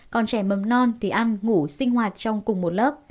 còn trẻ mầm non thì ăn ngủ sinh hoạt trong cùng một lớp